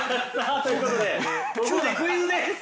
◆ということで、ここでクイズです。